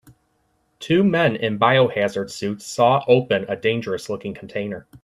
Two men in biohazard suits saw open a dangerous looking container.